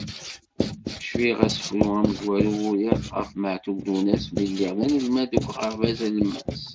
Cfiɣ, asefru amezwaru, uriɣ-t ɣef Meɛtub Lwennas mi lliɣ d anelmad deg uɣerbaz alemmas.